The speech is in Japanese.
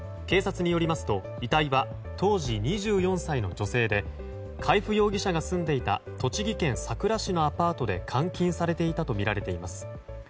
警察によりますと遺体は当時２４歳の女性で海部容疑者が住んでいた栃木県さくら市のアパートで監禁されていたとみられています。